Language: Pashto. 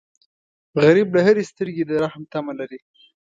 غریب له هرې سترګې د رحم تمه لري